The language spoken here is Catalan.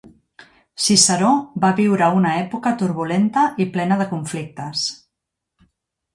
Ciceró va viure una època turbulenta i plena de conflictes.